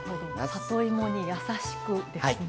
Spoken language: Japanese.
里芋に優しくですね。